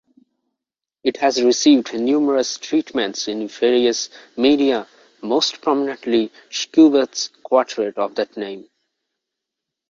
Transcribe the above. It has received numerous treatments in various media-most prominently Schubert's quartet of that name.